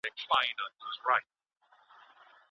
څه وخت ملي سوداګر بریښنايي توکي هیواد ته راوړي؟